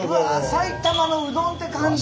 埼玉のうどんって感じ。